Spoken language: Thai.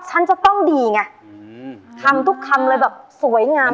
ฉันจะต้องดีไงทำทุกคำเลยแบบสวยงาม